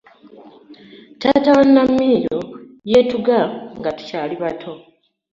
Taata wa Namiiro yeetuga nga tukyali bato.